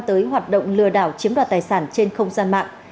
tới hoạt động lừa đảo chiếm đoạt tài sản trên không gian mạng